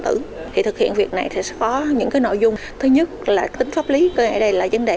tử thì thực hiện việc này sẽ có những cái nội dung thứ nhất là tính pháp lý cái này đây là vấn đề